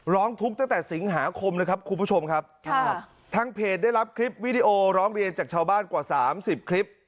ร้องทุกข์ตั้งแต่สิงหาคมนะครับคุณผู้ชมครับทางเพจได้รับคลิปวิดีโอร้องเรียนจากชาวบ้านกว่าสามสิบคลิป